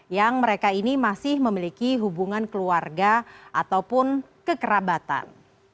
yang mereka ini masih memiliki hubungan keluarga ataupun kekerabatan